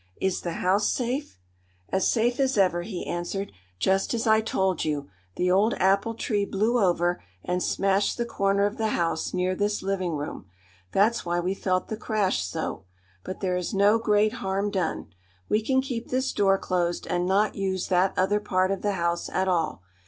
"Is the house safe?" "As safe as ever," he answered. "Just as I told you, the old apple tree blew over, and smashed the corner of the house near this living room. That's why we felt the crash so. But there is no great harm done. We can keep this door closed and not use that other part of the house at all.